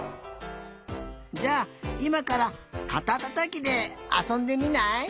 じゃあいまからかたたたきであそんでみない？